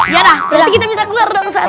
ya dah berarti kita bisa keluar dong ustadz